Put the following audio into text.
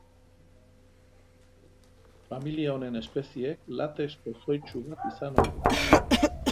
Familia honen espezieek latex pozoitsu bat izan ohi dute.